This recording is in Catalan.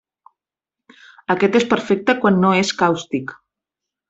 Aquest és perfecte quan no és càustic.